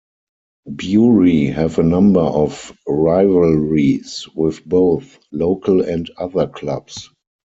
Bury have a number of rivalries with both local and other clubs.